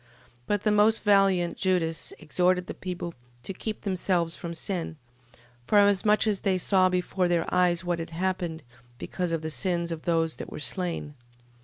But the most valiant Judas exhorted the people to keep themselves from sin, forasmuch as they saw before their eyes what had happened, because of the sins of those that were slain.